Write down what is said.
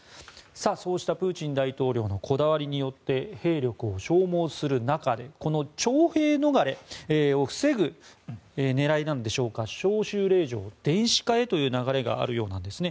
そうしたプーチン大統領のこだわりによって兵力を消耗する中で徴兵逃れを防ぐ狙いなんでしょうか招集令状を電子化へという流れがあるようなんですね。